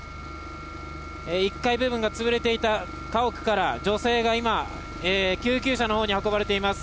１階部分がつぶれていた家屋から女性が今、救急車の方に運ばれています。